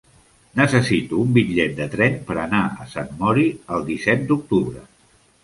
Necessito un bitllet de tren per anar a Sant Mori el disset d'octubre.